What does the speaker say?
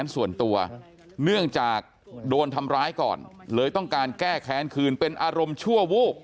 ส่วนตัวเนื่องจากโดนทำร้ายก่อนเลยต้องการแก้แค้นคืนเป็นอารมณ์ชั่ววูบ